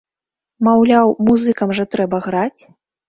Маўляў, музыкам жа трэба граць!